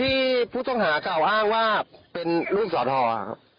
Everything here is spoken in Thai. ที่ผู้ต้องหากล่าวอ้างว่าเป็นรุ่นสอทรครับ